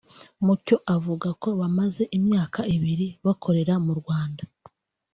Mucyo avuga ko bamaze imyaka ibiri bakorera mu Rwanda